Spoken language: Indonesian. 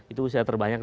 itu usia terbanyak